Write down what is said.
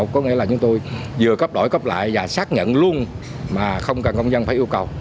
có nghĩa là chúng tôi vừa cấp đổi cấp lại và xác nhận luôn mà không cần công dân phải yêu cầu